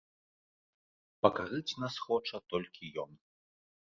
Пакарыць нас хоча толькі ён.